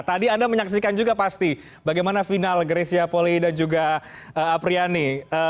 tadi anda menyaksikan juga pasti bagaimana final grecia poli dan juga apriani